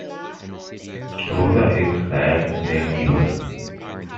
Rosa is shyer than ever.